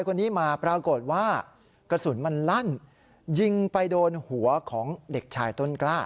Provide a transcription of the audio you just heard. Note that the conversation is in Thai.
คนนี้มาปรากฏว่ากระสุนมันลั่นยิงไปโดนหัวของเด็กชายต้นกล้า